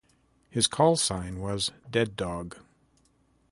His call sign was "Dead Dog".